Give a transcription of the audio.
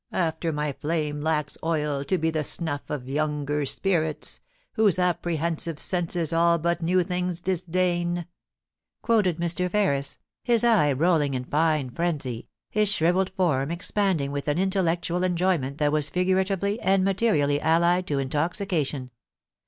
215 After my flame lacks oil to be the snuff Of younger spirits, whose apprehensive senses All but new things disdain "' quoted Mr. Ferris, his eye rolling in fine frenzy, his shri velled form expanding with an intellectual enjoyment that was figuratively and materially allied to intoxication.